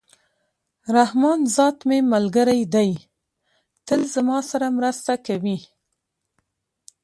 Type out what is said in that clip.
رحمان ذات مي ملګری دئ! تل زما سره مرسته کوي.